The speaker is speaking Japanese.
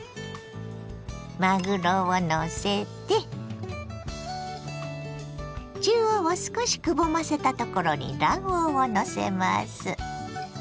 まぐろをのせて中央を少しくぼませたところに卵黄をのせます。